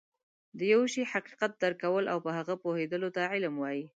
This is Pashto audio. د يوه شي حقيقت درک کول او په هغه پوهيدلو ته علم وایي